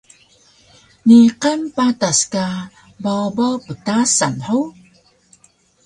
Niqan patas ka babaw ptasan hug?